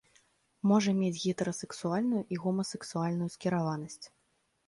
Можа мець гетэрасексуальную і гомасексуальную скіраванасць.